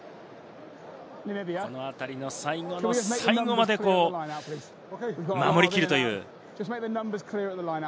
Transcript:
このあたりの最後の最後まで守り切るという。